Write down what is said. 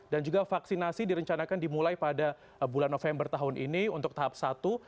dan juga vaksinasi direncanakan dimulai pada bulan november tahun ini untuk tahap satu